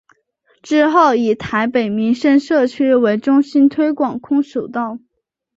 之后以台北民生社区为中心推广空手道。